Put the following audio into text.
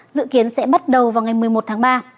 dự kiến sẽ bắt đầu vào ngày một mươi một tháng ba